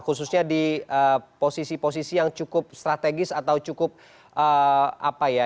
khususnya di posisi posisi yang cukup strategis atau cukup apa ya